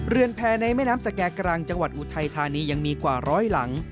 แพรในแม่น้ำสแก่กลางจังหวัดอุทัยธานียังมีกว่าร้อยหลัง